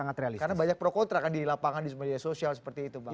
karena banyak pro kontra kan di lapangan di sosial seperti itu bang